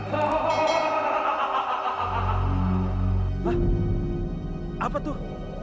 hah apa tuh